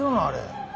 あれ。